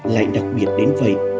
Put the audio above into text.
lại đặc biệt đến vậy